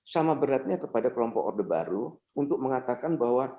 sama beratnya kepada kelompok orde baru untuk mengatakan bahwa